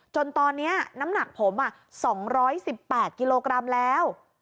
จนตอนนี้น้ำหนักผม๒๑๘กิโลกรัมแล้ว